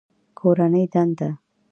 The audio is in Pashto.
کورنۍ دنده